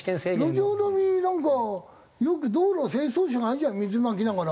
路上飲みなんかよく道路清掃車があるじゃん水まきながら。